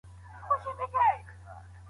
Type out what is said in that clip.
خپل ځان د هغو خلکو په منځ کې وساتئ.